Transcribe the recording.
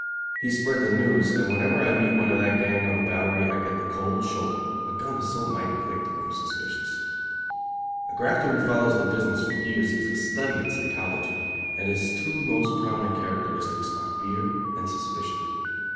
He spread the news, and whenever I meet one of that gang on the Bowery I get the cold shoulder, a gun is so mighty quick to grow suspicious. A grafter who follows the business for years is a study in psychology, and his two most prominent characteristics are fear and suspicion.